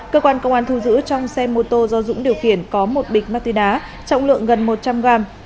cơ quan công an thu giữ trong xe mô tô do dũng điều khiển có một bịch ma túy đá trọng lượng gần một trăm linh gram